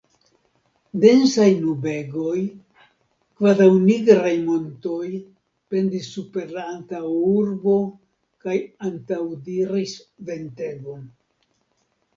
Densaj nubegoj, kvazaŭ nigraj montoj, pendis super la antaŭurbo kaj antaŭdiris ventegon.